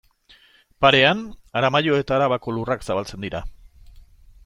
Parean Aramaio eta Arabako lurrak zabaltzen dira.